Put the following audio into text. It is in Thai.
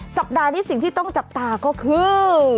สัปดาห์นี้สิ่งที่ต้องจับตาก็คือ